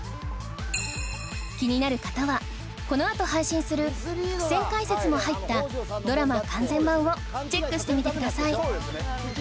気になる方はこのあと配信する伏線解説も入ったドラマ完全版をチェックしてみてください